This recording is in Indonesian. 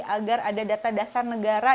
agar ada data dasar negara